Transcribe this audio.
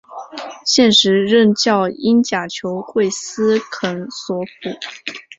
现时任教英甲球会斯肯索普。